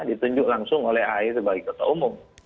ditunjuk langsung oleh ahy sebagai ketua umum